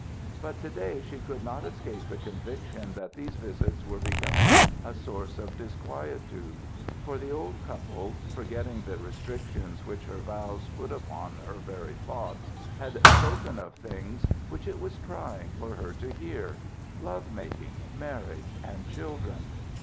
But to day she could not escape the conviction that these visits were becoming a source of disquietude; for the old couple, forgetting the restrictions which her vows put upon her very thoughts, had spoken of things which it was trying for her to hear love making, marriage, and children.